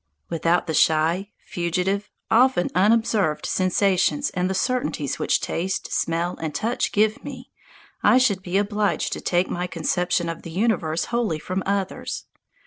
Without the shy, fugitive, often unobserved sensations and the certainties which taste, smell, and touch give me, I should be obliged to take my conception of the universe wholly from others.